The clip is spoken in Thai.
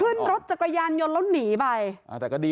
ขึ้นรถจักรยานยนต์แล้วหนีไปอ่าแต่ก็ดี